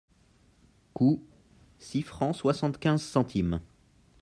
Coût : six francs soixante-quinze centimes.